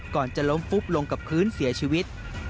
ก่อนจะล้มฟุบลงกับพื้นเสียชีวิต